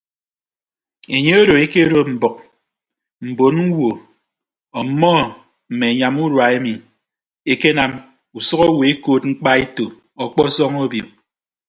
Enye odo akedo mbʌk mbon ñwo ọmmọ mme anyam urua emi ekenam usʌk owo ekoot mkpaeto ọkpọsọñ obio.